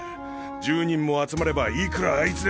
１０人も集まればいくらあいつでも。